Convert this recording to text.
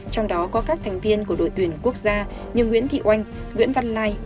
trong đó có các thành viên của đội tuyển quốc gia như nguyễn thị oanh nguyễn văn lai